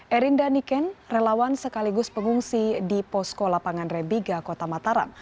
erinda niken relawan sekaligus pengungsi di posko lapangan rebiga kota mataram